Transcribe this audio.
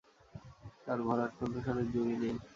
তার ভরাট কন্ঠস্বরের জুড়ি নেই!